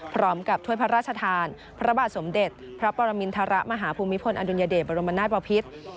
ถ้วยพระราชทานพระบาทสมเด็จพระปรมินทรมาหาภูมิพลอดุลยเดชบรมนาศบพิษ